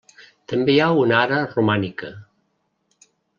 També hi ha una ara romànica.